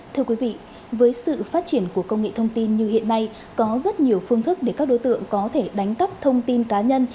thưa quý vị với sự phát triển của công nghệ thông tin như hiện nay có rất nhiều phương thức để các đối tượng có thể đánh cắp thông tin cá nhân